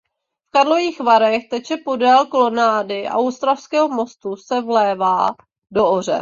V Karlových Varech teče podél kolonády a u Ostrovského mostu se vlévá do Ohře.